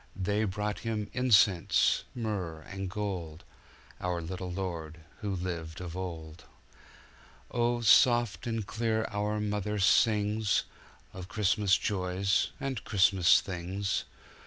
They brought Him incense, myrrh, and gold, Our little Lord who lived of old. Oh, soft and clear our mother singsOf Christmas joys and Christmas things.